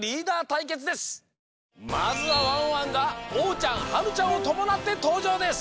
まずはワンワンがおうちゃんはるちゃんをともなってとうじょうです！